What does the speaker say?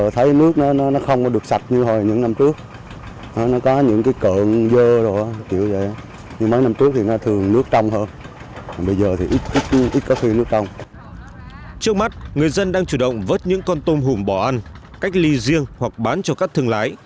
trước mắt người dân đang chủ động vớt những con tôm hùm bỏ ăn cách ly riêng hoặc bán cho các thương lái